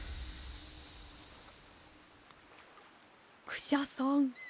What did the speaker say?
クシャさん。